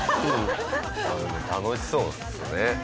楽しそうですね。